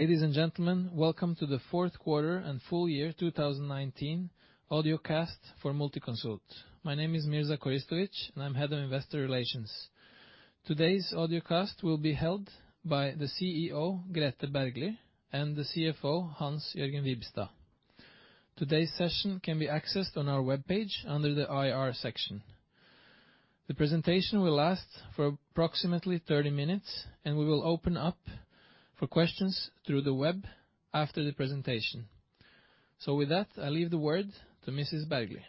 Ladies and gentlemen, welcome to the Fourth quarter and Full year 2019 Audiocast for Multiconsult. My name is Mirza Koristovic, and I'm Head of Investor Relations. Today's audiocast will be held by the CEO, Grethe Bergly, and the CFO, Hans-Jørgen Wibstad. Today's session can be accessed on our webpage under the IR section. The presentation will last for approximately 30 minutes, and we will open up for questions through the web after the presentation. With that, I leave the word to Mrs. Bergly.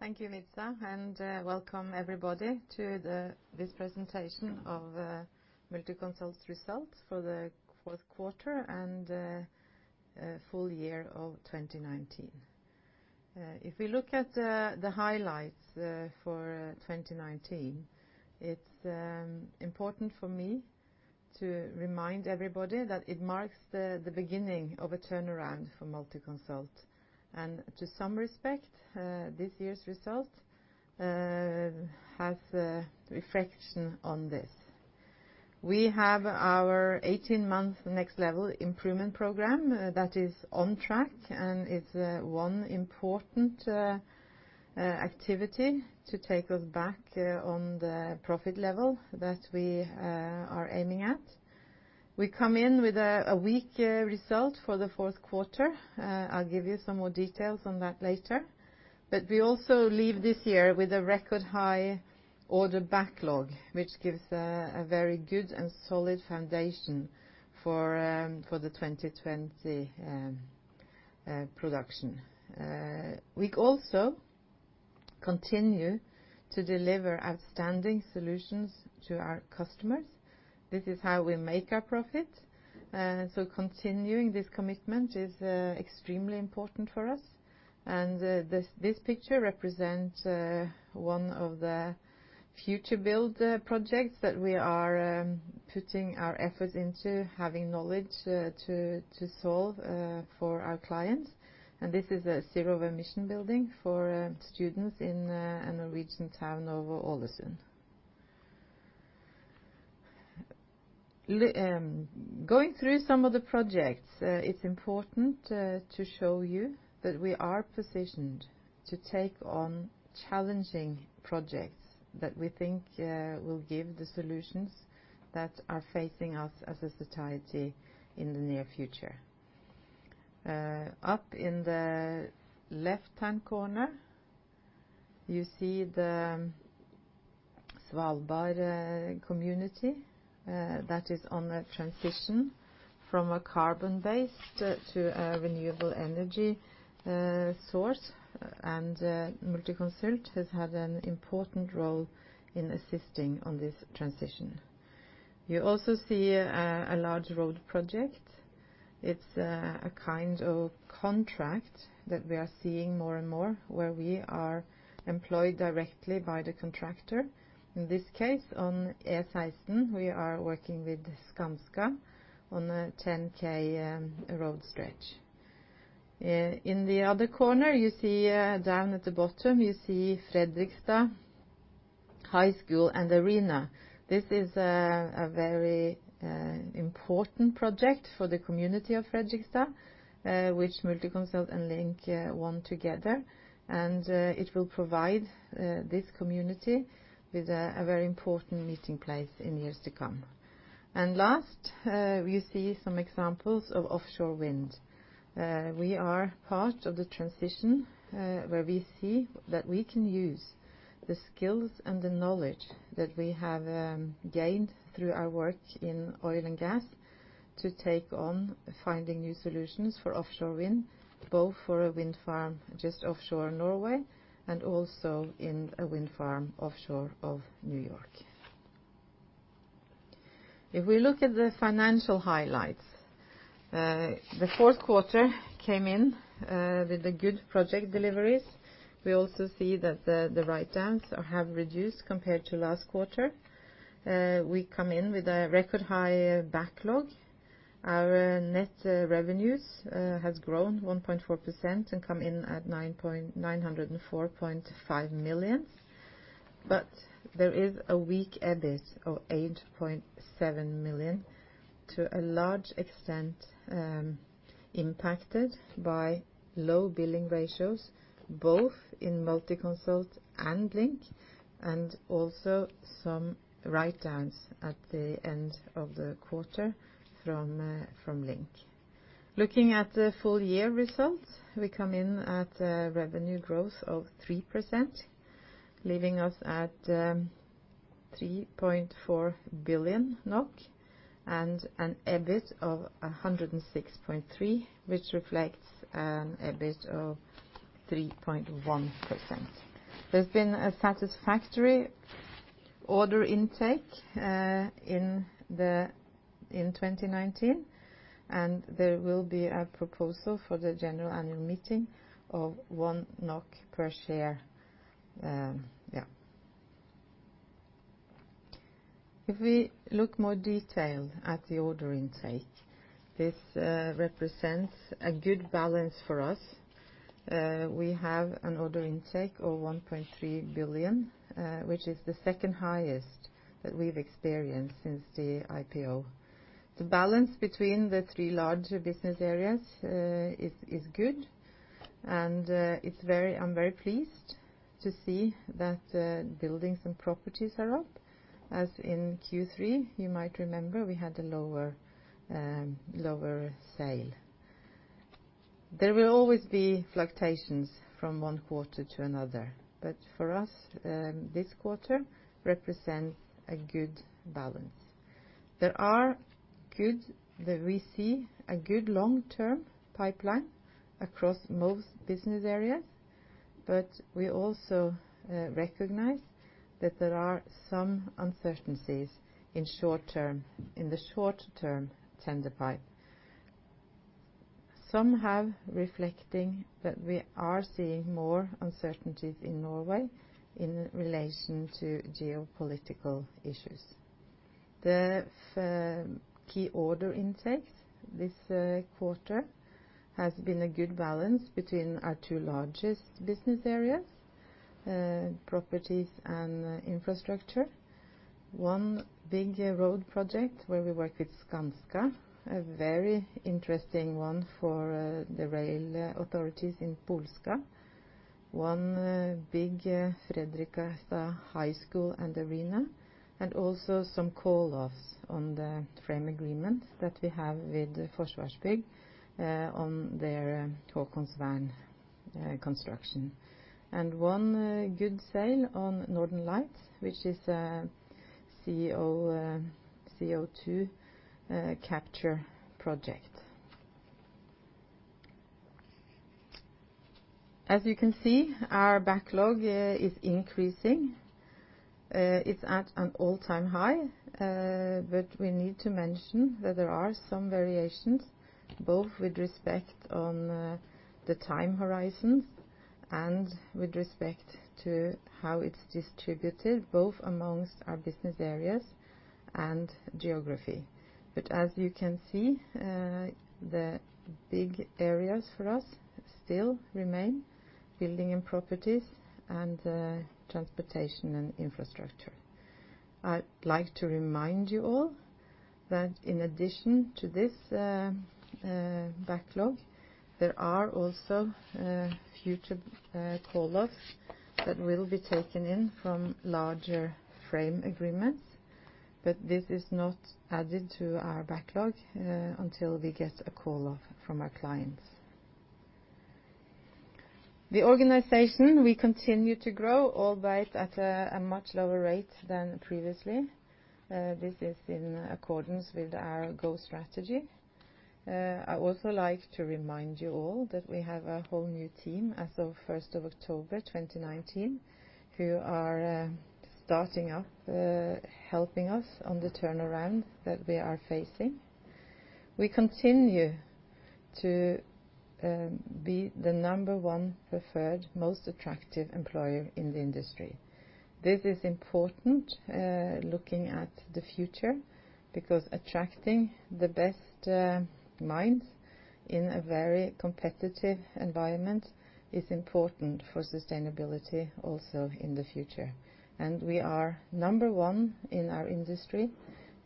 Thank you, Mirza, and welcome everybody to this presentation of Multiconsult's Results for the Fourth Quarter and Full Year of 2019. If we look at the highlights for 2019, it's important for me to remind everybody that it marks the beginning of a turnaround for Multiconsult. To some respect, this year's result has a reflection on this. We have our 18-month nextLEVEL improvement program that is on track. It's one important activity to take us back on the profit level that we are aiming at. We come in with a weak result for the fourth quarter. I'll give you some more details on that later. We also leave this year with a record high order backlog, which gives a very good and solid foundation for the 2020 production. We also continue to deliver outstanding solutions to our customers. This is how we make our profit. Continuing this commitment is extremely important for us. This picture represents one of the future build projects that we are putting our efforts into having knowledge to solve for our clients. This is a zero emission building for students in a Norwegian town of Ålesund. Going through some of the projects, it's important to show you that we are positioned to take on challenging projects that we think will give the solutions that are facing us as a society in the near future. Up in the left-hand corner, you see the Svalbard community that is on a transition from a carbon-based to a renewable energy source, and Multiconsult has had an important role in assisting on this transition. You also see a large road project. It's a kind of contract that we are seeing more and more where we are employed directly by the contractor. In this case, on E16, we are working with Skanska on a 10 km road stretch. In the other corner, you see down at the bottom, you see Fredrikstad High School and Arena. This is a very important project for the community of Fredrikstad, which Multiconsult and LINK won together, and it will provide this community with a very important meeting place in years to come. Last, you see some examples of offshore wind. We are part of the transition, where we see that we can use the skills and the knowledge that we have gained through our work in oil and gas to take on finding new solutions for offshore wind, both for a wind farm just offshore Norway and also in a wind farm offshore of New York. If we look at the financial highlights, the fourth quarter came in with the good project deliveries. We also see that the writedowns have reduced compared to last quarter. We come in with a record high backlog. Our net revenues has grown 1.4% and come in at 904.5 million. There is a weak EBIT of 8.7 million, to a large extent impacted by low billing ratios, both in Multiconsult and LINK, and also some writedowns at the end of the quarter from LINK. Looking at the full year results, we come in at a revenue growth of 3%, leaving us at 3.4 billion NOK and an EBIT of 106.3, which reflects an EBIT of 3.1%. There's been a satisfactory order intake in 2019, and there will be a proposal for the general annual meeting of one NOK per share. If we look more detailed at the order intake. This represents a good balance for us. We have an order intake of 1.3 billion, which is the second highest that we've experienced since the IPO. The balance between the three larger business areas is good, and I'm very pleased to see that buildings and properties are up. As in Q3, you might remember, we had a lower sale. There will always be fluctuations from one quarter to another. For us, this quarter represents a good balance. We see a good long-term pipeline across most business areas. We also recognize that there are some uncertainties in the short-term tender pipe. Some have reflecting that we are seeing more uncertainties in Norway in relation to geopolitical issues. The key order intakes this quarter has been a good balance between our 2 largest business areas, properties and infrastructure. One big road project where we work with Skanska, a very interesting one for the rail authorities in Polska. One big Fredrikstad High School and Arena, also some call-offs on the frame agreements that we have with Forsvarsbygg on their Haakonsvern construction. One good sale on Northern Lights, which is a CO2 capture project. As you can see, our backlog is increasing. It's at an all-time high, we need to mention that there are some variations, both with respect on the time horizons and with respect to how it's distributed, both amongst our business areas and geography. As you can see, the big areas for us still remain building and properties and transportation and infrastructure. I'd like to remind you all that in addition to this backlog, there are also future call-offs that will be taken in from larger frame agreements, but this is not added to our backlog until we get a call-off from our clients. The organization, we continue to grow, albeit at a much lower rate than previously. This is in accordance with our goal strategy. I also like to remind you all that we have a whole new team as of 1st of October 2019, who are starting up, helping us on the turnaround that we are facing. We continue to be the number 1 preferred most attractive employer in the industry. This is important looking at the future, because attracting the best minds in a very competitive environment is important for sustainability also in the future. We are number 1 in our industry,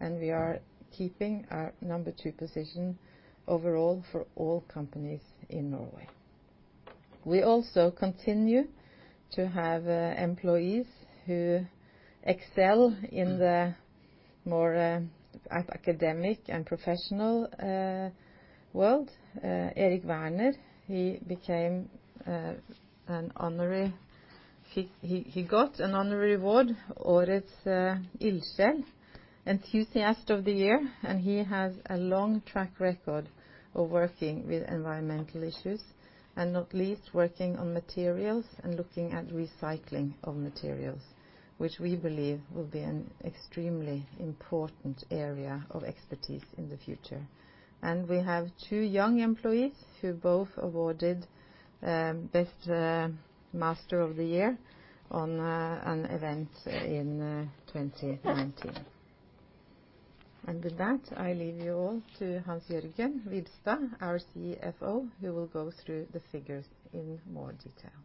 and we are keeping our number 2 position overall for all companies in Norway. We also continue to have employees who excel in the more academic and professional world. Erik Werner, he got an honorary award, Årets Ildsjel, Enthusiast of the Year. He has a long track record of working with environmental issues, not least working on materials and looking at recycling of materials, which we believe will be an extremely important area of expertise in the future. We have two young employees who both awarded Best Master of the Year on an event in 2019. With that, I leave you all to Hans-Jørgen Wibstad, our CFO, who will go through the figures in more detail.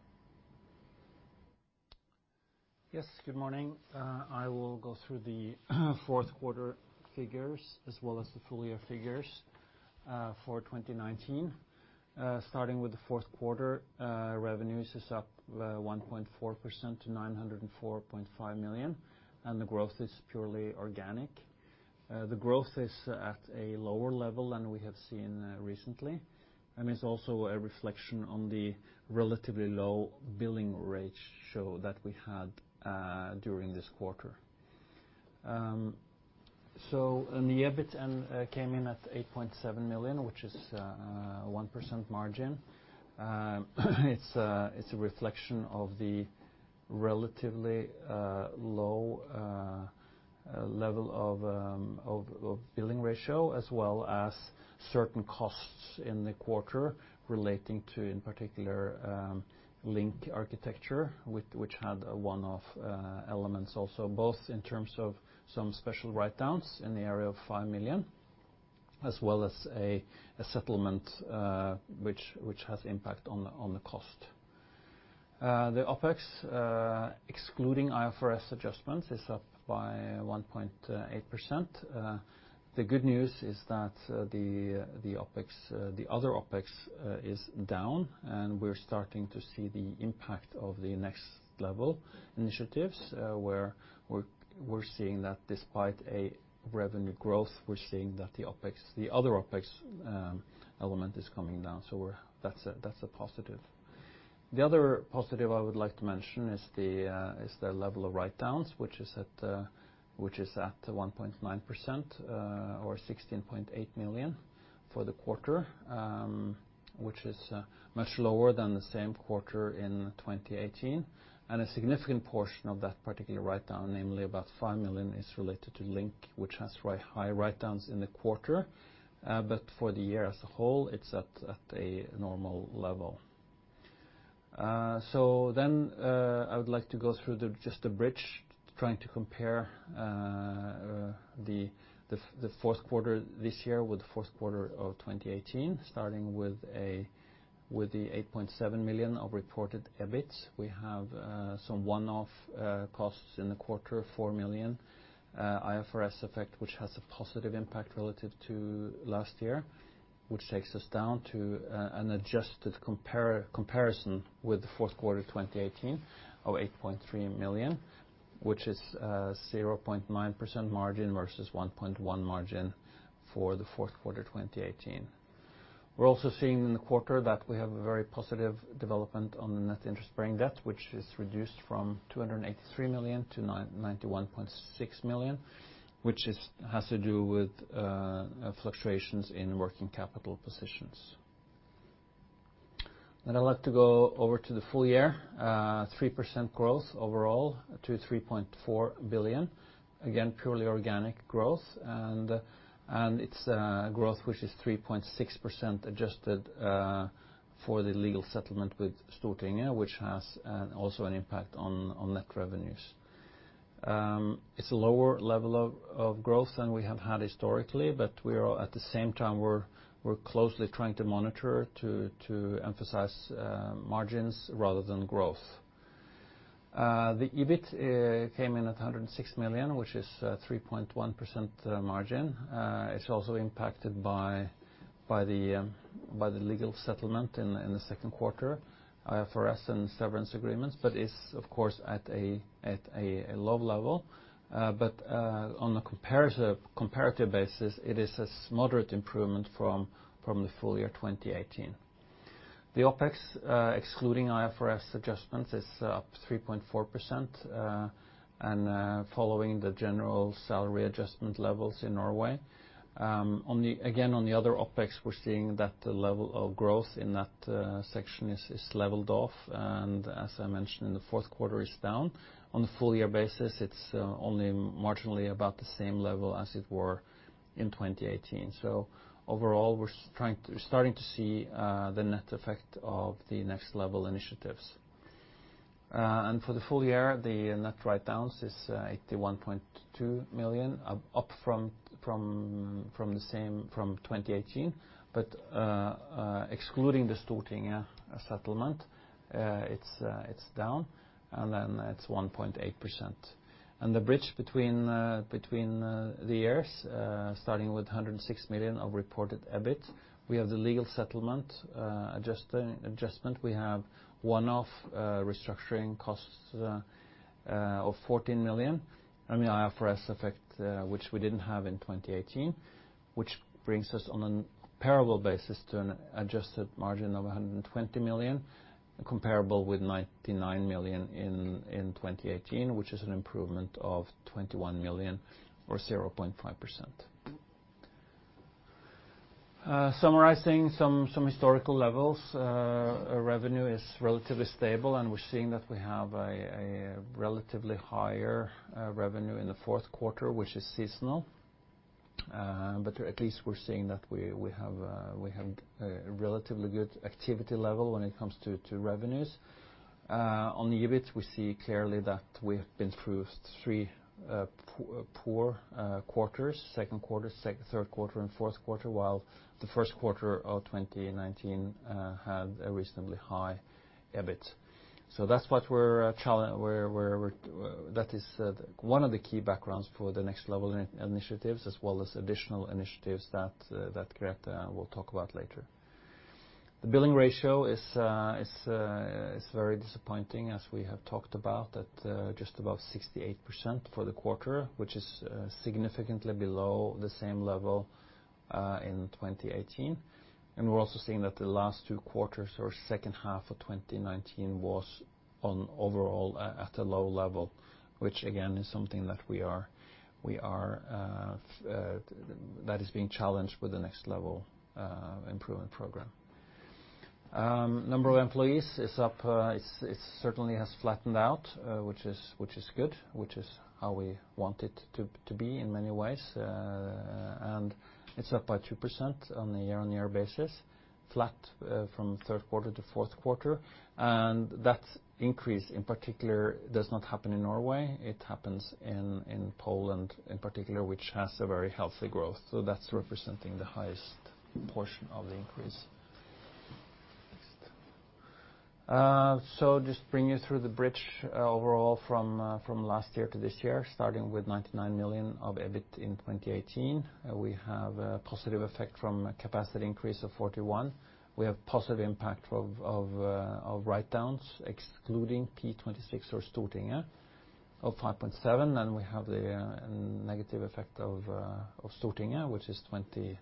Yes, good morning. I will go through the fourth quarter figures as well as the full year figures for 2019. Starting with the fourth quarter, revenues is up 1.4% to 904.5 million, and the growth is purely organic. The growth is at a lower level than we have seen recently, and it's also a reflection on the relatively low billing ratio that we had during this quarter. The EBIT came in at 8.7 million, which is a 1% margin. It's a reflection of the relatively low level of billing ratio as well as certain costs in the quarter relating to, in particular, LINK arkitektur, which had one-off elements also, both in terms of some special write-downs in the area of 5 million. As well as a settlement which has impact on the cost. The OpEx excluding IFRS adjustments is up by 1.8%. The good news is that the other OpEx is down, and we're starting to see the impact of the nextLEVEL initiatives, where we're seeing that despite a revenue growth, we're seeing that the other OpEx element is coming down. That's a positive. The other positive I would like to mention is the level of write-downs, which is at 1.9% or 16.8 million for the quarter, which is much lower than the same quarter in 2018. A significant portion of that particular write-down, namely about 5 million, is related to LINK, which has very high write-downs in the quarter. For the year as a whole, it's at a normal level. I would like to go through just the bridge, trying to compare the fourth quarter this year with the fourth quarter of 2018. Starting with the 8.7 million of reported EBIT. We have some one-off costs in the quarter of 4 million IFRS effect, which has a positive impact relative to last year. Which takes us down to an adjusted comparison with the fourth quarter 2018 of 8.3 million, which is 0.9% margin versus 1.1% margin for the fourth quarter 2018. We're also seeing in the quarter that we have a very positive development on the net interest-bearing debt, which is reduced from 283 million to 91.6 million, which has to do with fluctuations in working capital positions. I'd like to go over to the full year, 3% growth overall to 3.4 billion. Again, purely organic growth, and it's growth which is 3.6% adjusted for the legal settlement with Stortinget, which has also an impact on net revenues. It's a lower level of growth than we have had historically, but we are at the same time, we're closely trying to monitor to emphasize margins rather than growth. The EBIT came in at 106 million, which is 3.1% margin. It's also impacted by the legal settlement in the second quarter, IFRS and severance agreements, but is of course at a low level. On a comparative basis, it is a moderate improvement from the full year 2018. The OpEx, excluding IFRS adjustments, is up 3.4% and following the general salary adjustment levels in Norway. Again, on the other OpEx, we're seeing that the level of growth in that section is leveled off, and as I mentioned in the fourth quarter, is down. On the full year basis, it's only marginally about the same level as it were in 2018. Overall, we're starting to see the net effect of the nextLEVEL initiatives. For the full year, the net write-downs is 81.2 million, up from 2018. Excluding the Stortinget settlement it's down, it's 1.8%. The bridge between the years, starting with 106 million of reported EBIT. We have the legal settlement adjustment. We have one-off restructuring costs of 14 million and the IFRS effect, which we didn't have in 2018. Which brings us on a comparable basis to an adjusted margin of 120 million, comparable with 99 million in 2018, which is an improvement of 21 million or 0.5%. Summarizing some historical levels, revenue is relatively stable, we're seeing that we have a relatively higher revenue in the fourth quarter, which is seasonal. At least we're seeing that we have a relatively good activity level when it comes to revenues. On the EBIT, we see clearly that we have been through three poor quarters, second quarter, third quarter, and fourth quarter, while the first quarter of 2019 had a reasonably high EBIT. That is one of the key backgrounds for the nextLEVEL initiatives as well as additional initiatives that Grethe will talk about later. The billing ratio is very disappointing as we have talked about at just above 68% for the quarter, which is significantly below the same level in 2018. We're also seeing that the last two quarters or second half of 2019 was on overall at a low level, which again is something that is being challenged with the nextLEVEL improvement program. Number of employees is up. It certainly has flattened out, which is good, which is how we want it to be in many ways. It's up by 2% on the year-on-year basis, flat from third quarter to fourth quarter. That increase in particular does not happen in Norway. It happens in Poland in particular, which has a very healthy growth. That's representing the highest portion of the increase. Just bring you through the bridge overall from last year to this year, starting with 99 million of EBIT in 2018. We have a positive effect from capacity increase of 41 million. We have positive impact of writedowns, excluding Prinsens gate 26 or Stortinget of 5.7 million, and we have the negative effect of Stortinget, which is 20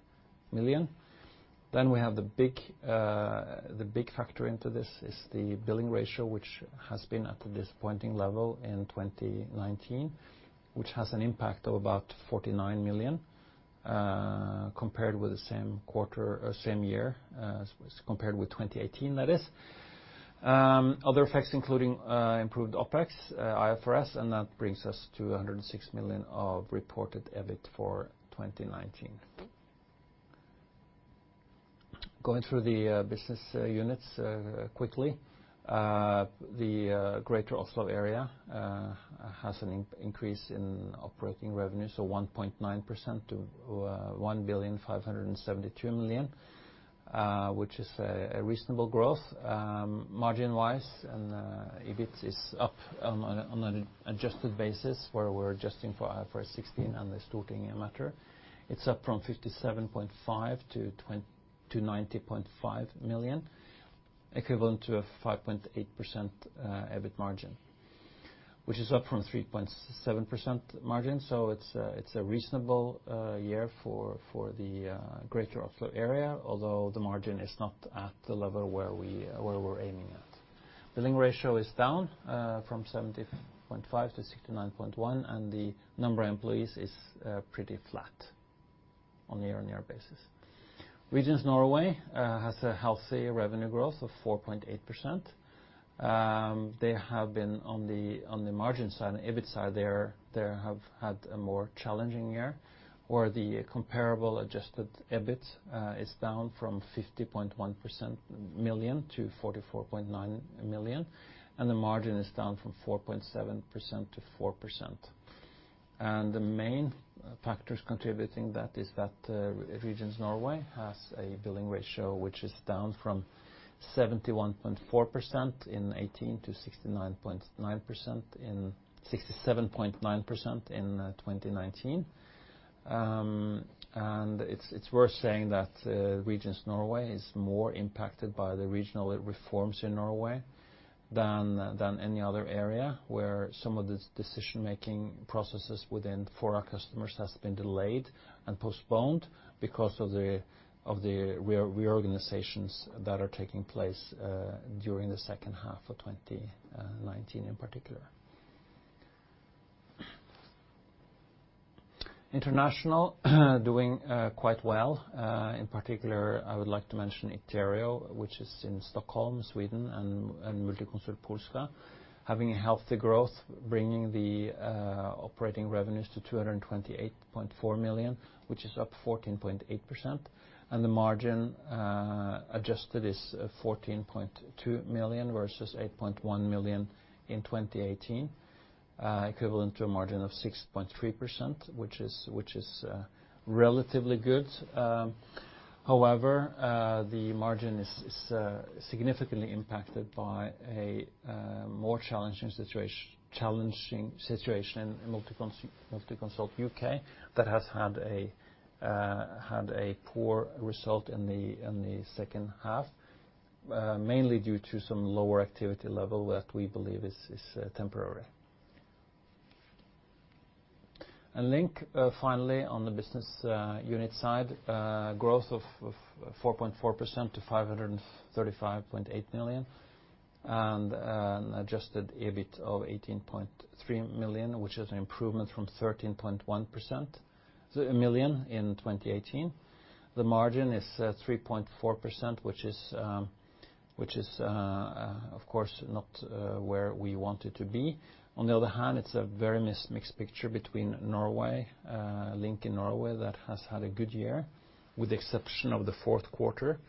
million. We have the big factor into this is the billing ratio, which has been at a disappointing level in 2019, which has an impact of about 49 million, compared with the same year, compared with 2018, that is. Other effects including improved OpEx, IFRS, that brings us to 106 million of reported EBIT for 2019. Going through the business units quickly. The Greater Oslo Area has an increase in operating revenues of 1.9% to 1,573 million, which is a reasonable growth. Margin-wise, EBIT is up on an adjusted basis where we're adjusting for IFRS 16 and the Stortinget matter. It's up from 57.5 million to 90.5 million, equivalent to a 5.8% EBIT margin, which is up from 3.7% margin. It's a reasonable year for the Greater Oslo Area, although the margin is not at the level where we were aiming at. Billing ratio is down from 70.5% to 69.1%, the number of employees is pretty flat on a year-on-year basis. Regions Norway has a healthy revenue growth of 4.8%. They have been on the margin side, EBIT side, they have had a more challenging year, where the comparable adjusted EBIT is down from 50.1 million to 44.9 million, and the margin is down from 4.7% to 4%. The main factors contributing to that is that Regions Norway has a billing ratio which is down from 71.4% in 2018 to 67.9% in 2019. It's worth saying that Regions Norway is more impacted by the regional reforms in Norway than any other area, where some of the decision-making processes for our customers has been delayed and postponed because of the reorganizations that are taking place during the second half of 2019 in particular. International, doing quite well. In particular, I would like to mention Iterio, which is in Stockholm, Sweden, and Multiconsult Polska, having a healthy growth, bringing the operating revenues to 228.4 million, which is up 14.8%. The margin adjusted is 14.2 million versus 8.1 million in 2018, equivalent to a margin of 6.3%, which is relatively good. However, the margin is significantly impacted by a more challenging situation in Multiconsult UK that has had a poor result in the second half, mainly due to some lower activity level that we believe is temporary. LINK, finally, on the business unit side, growth of 4.4% to 535.8 million. An adjusted EBIT of 18.3 million, which is an improvement from 13.1 million in 2018. The margin is 3.4%, which is, of course, not where we want it to be. On the other hand, it's a very mixed picture between Norway, LINK in Norway that has had a good year, with the exception of the fourth quarter,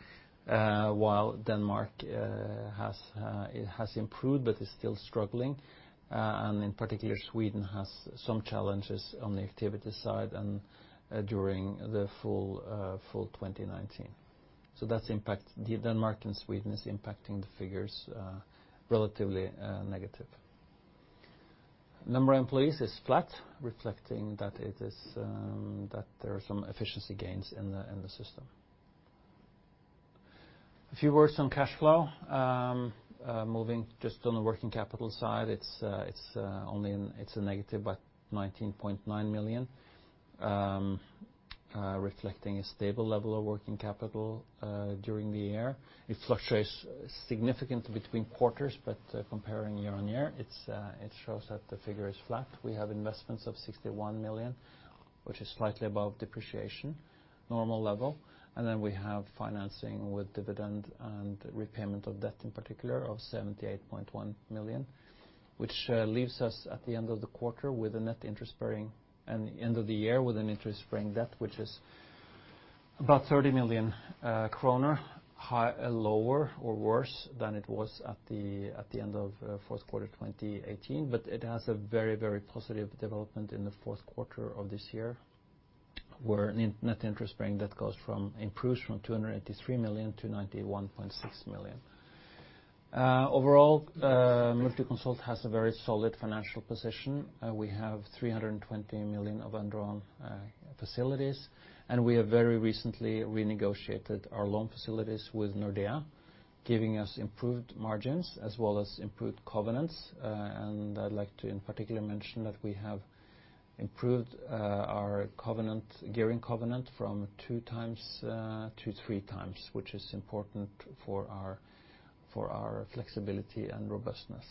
while Denmark has improved but is still struggling. In particular, Sweden has some challenges on the activity side and during the full 2019. Denmark and Sweden is impacting the figures relatively negative. Number of employees is flat, reflecting that there are some efficiency gains in the system. A few words on cash flow. Moving just on the working capital side, it's a negative, but 19.9 million, reflecting a stable level of working capital during the year. It fluctuates significantly between quarters, but comparing year-on-year, it shows that the figure is flat. We have investments of 61 million, which is slightly above depreciation, normal level. Then we have financing with dividend and repayment of debt in particular of 78.1 million, which leaves us at the end of the year with an interest-bearing debt which is about 30 million kroner, lower or worse than it was at the end of fourth quarter 2018. It has a very, very positive development in the fourth quarter of this year. Net interest-bearing debt improves from 283 million to 91.6 million. Overall, Multiconsult has a very solid financial position. We have 320 million of undrawn facilities. We have very recently renegotiated our loan facilities with Nordea, giving us improved margins as well as improved covenants. I'd like to, in particular, mention that we have improved our gearing covenant from two times to three times, which is important for our flexibility and robustness.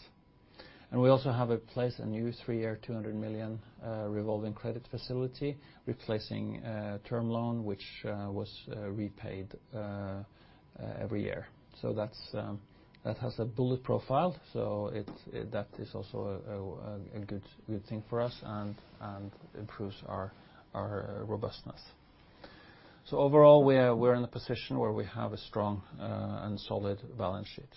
We also have in place a new three-year 200 million revolving credit facility, replacing a term loan which was repaid every year. That has a bullet profile, so that is also a good thing for us and improves our robustness. Overall, we're in a position where we have a strong and solid balance sheet.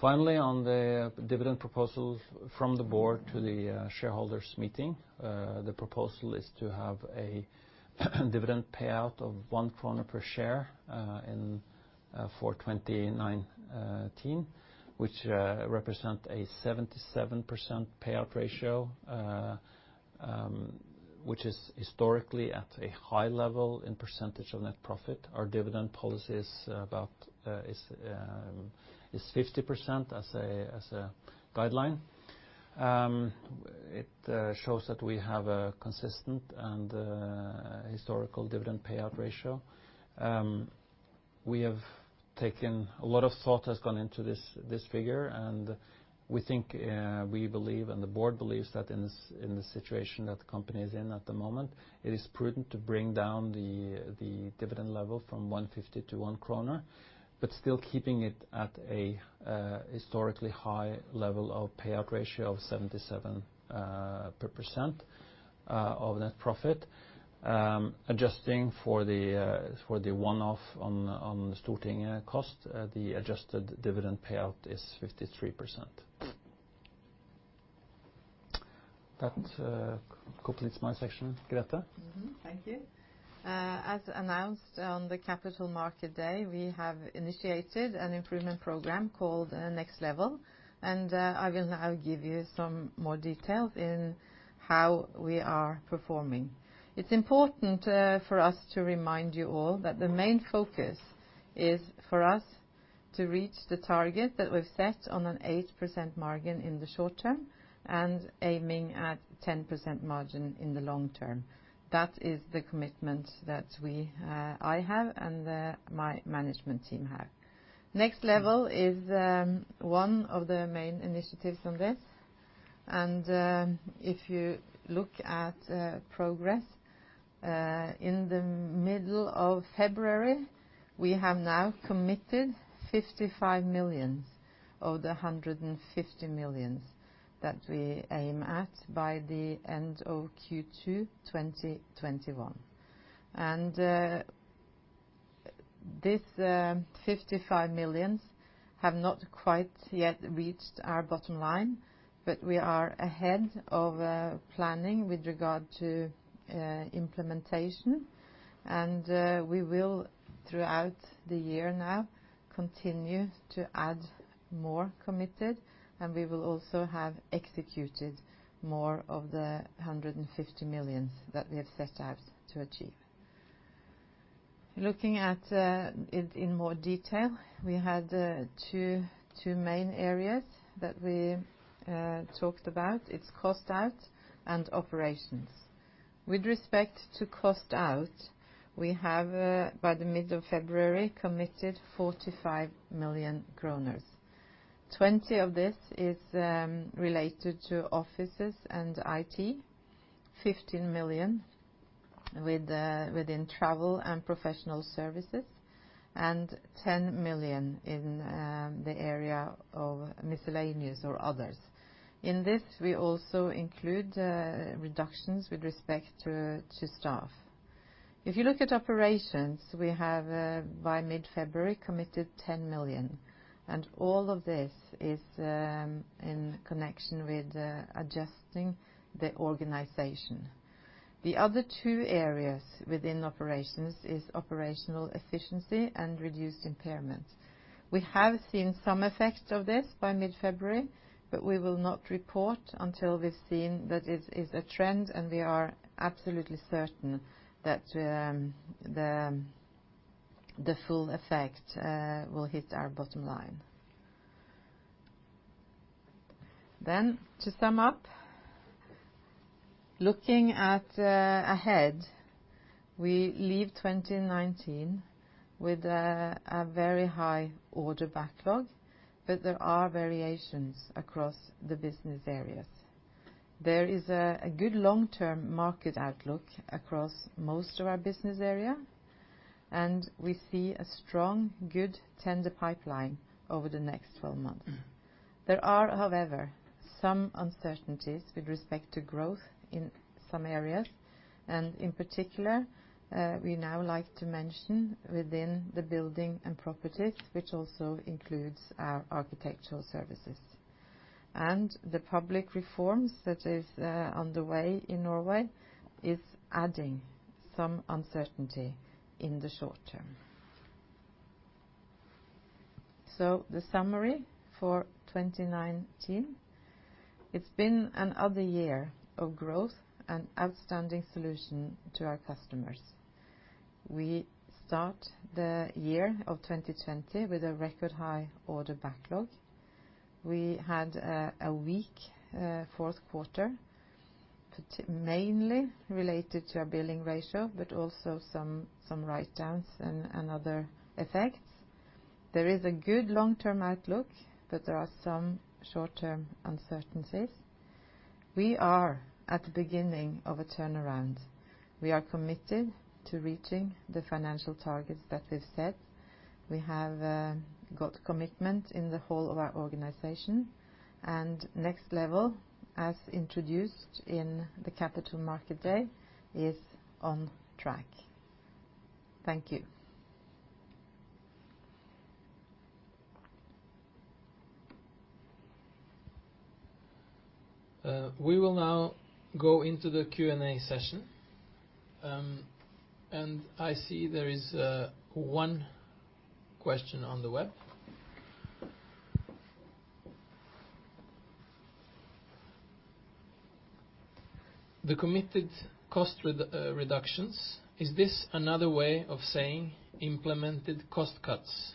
Finally, on the dividend proposals from the board to the shareholders meeting, the proposal is to have a dividend payout of 1 kroner per share for 2019, which represent a 77% payout ratio, which is historically at a high level in percentage of net profit. Our dividend policy is 50% as a guideline. It shows that we have a consistent and historical dividend payout ratio. A lot of thought has gone into this figure. We think, we believe, and the board believes that in the situation that the company is in at the moment, it is prudent to bring down the dividend level from 150 to 1 kroner, still keeping it at a historically high level of payout ratio of 77% of net profit. Adjusting for the one-off on Stortinget cost, the adjusted dividend payout is 53%. That completes my section. Grethe? Thank you. As announced on the Capital Market Day, we have initiated an improvement program called nextLEVEL. I will now give you some more details in how we are performing. It is important for us to remind you all that the main focus is for us to reach the target that we have set on an 8% margin in the short term and aiming at 10% margin in the long term. That is the commitment that I have and my management team have. nextLEVEL is one of the main initiatives on this. If you look at progress, in the middle of February, we have now committed 55 million of the 150 million that we aim at by the end of Q2 2021. This 55 million have not quite yet reached our bottom line. We are ahead of planning with regard to implementation. We will, throughout the year now, continue to add more committed, and we will also have executed more of the 150 million that we have set out to achieve. Looking at it in more detail, we had two main areas that we talked about. It's cost out and operations. With respect to cost out, we have, by the mid of February, committed 45 million kroner. 20 of this is related to offices and IT, 15 million within travel and professional services, and 10 million in the area of miscellaneous or others. In this, we also include reductions with respect to staff. If you look at operations, we have, by mid-February, committed 10 million, and all of this is in connection with adjusting the organization. The other two areas within operations is operational efficiency and reduced impairment. We have seen some effect of this by mid-February, we will not report until we've seen that it is a trend and we are absolutely certain that the full effect will hit our bottom line. To sum up, looking at ahead, we leave 2019 with a very high order backlog, but there are variations across the business areas. There is a good long-term market outlook across most of our business area, and we see a strong, good tender pipeline over the next 12 months. There are, however, some uncertainties with respect to growth in some areas, and in particular, we now like to mention within the building and properties, which also includes our architectural services. The public reforms that is underway in Norway is adding some uncertainty in the short term. The summary for 2019, it's been another year of growth and outstanding solution to our customers. We start the year of 2020 with a record high order backlog. We had a weak fourth quarter, mainly related to our billing ratio, but also some write-downs and other effects. There is a good long-term outlook, but there are some short-term uncertainties. We are at the beginning of a turnaround. We are committed to reaching the financial targets that we've set. We have got commitment in the whole of our organization. NextLEVEL, as introduced in the Capital Market Day, is on track. Thank you. We will now go into the Q&A session. I see there is one question on the web. The committed cost reductions, is this another way of saying implemented cost cuts?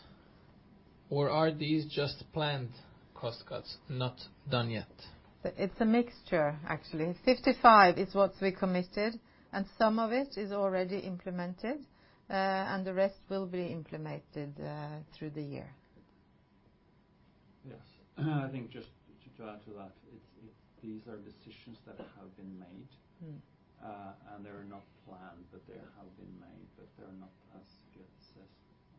Are these just planned cost cuts, not done yet? It's a mixture, actually. 55 million is what we committed, and some of it is already implemented, and the rest will be implemented through the year. Yes. I think just to add to that, these are decisions that have been made, and they're not planned, but they have been made, but they're not, as Grethe says,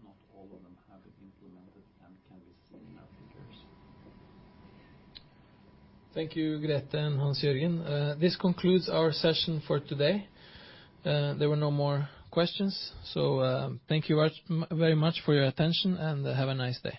not all of them have been implemented and can be seen in our figures. Thank you, Grethe and Hans-Jørgen. This concludes our session for today. There were no more questions. Thank you very much for your attention, and have a nice day.